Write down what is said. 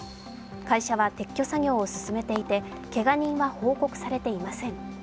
会社は撤去作業を進めていてけが人は報告されていません。